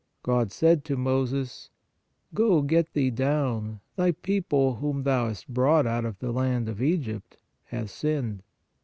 " God said to Moses : Go, get thee down; thy people whom thou hast brought out of the land of Egypt, hath sinned.